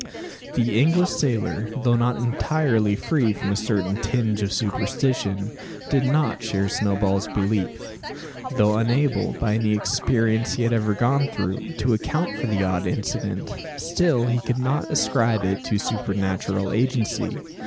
The English sailor, though not entirely free from a certain tinge of superstition, did not share Snowball's belief. Though unable, by any experience he had ever gone through, to account for the odd incident, still he could not ascribe it to supernatural agency.